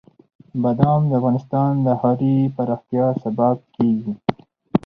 بادام د افغانستان د ښاري پراختیا سبب کېږي.